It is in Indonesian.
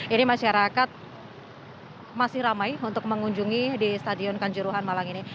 ini masyarakat masih ramai untuk mengunjungi di stadion kanjuruhan malang ini